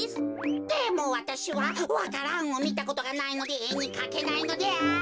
でもわたしはわか蘭をみたことがないのでえにかけないのである。